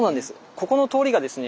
ここの通りがですね